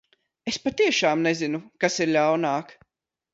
Es patiešām nezinu, kas ir ļaunāk.